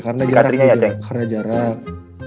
karena jarang juga karena jarang